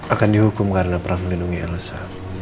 akan dihukum karena pernah melindungi elsa